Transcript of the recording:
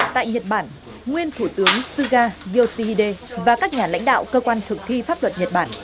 tại nhật bản nguyên thủ tướng suga yoshihide và các nhà lãnh đạo cơ quan thực thi pháp luật nhật bản